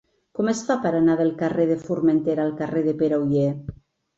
Com es fa per anar del carrer de Formentera al carrer de Pere Oller?